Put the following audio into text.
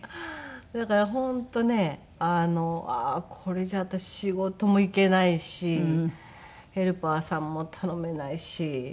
だから本当ねああこれじゃ私仕事も行けないしヘルパーさんも頼めないし。